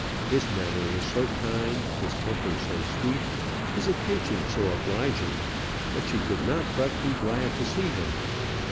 His manner was so kind, his temper so sweet, his attention so obliging, that she could not but be glad to see him.